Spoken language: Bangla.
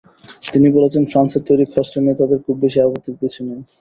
তিনি বলেছেন, ফ্রান্সের তৈরি খসড়া নিয়ে তাঁদের খুব বেশি আপত্তির কিছু নেই।